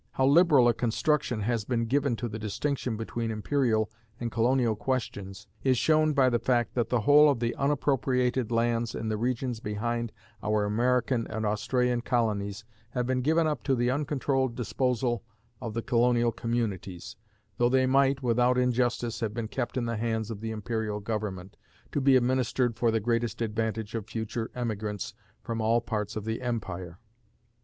How liberal a construction has been given to the distinction between imperial and colonial questions is shown by the fact that the whole of the unappropriated lands in the regions behind our American and Australian colonies have been given up to the uncontrolled disposal of the colonial communities, though they might, without injustice, have been kept in the hands of the imperial government, to be administered for the greatest advantage of future emigrants from all parts of the empire.